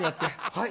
はい。